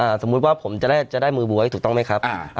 สมมุติว่าผมจะได้จะได้มือบ๊วยถูกต้องไหมครับ